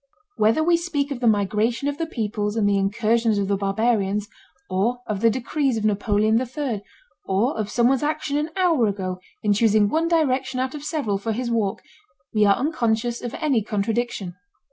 Whether we speak of the migration of the peoples and the incursions of the barbarians, or of the decrees of Napoleon III, or of someone's action an hour ago in choosing one direction out of several for his walk, we are unconscious of any contradiction.